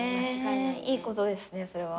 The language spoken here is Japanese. いいことですねそれは。